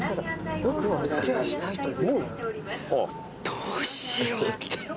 「どうしよう」って。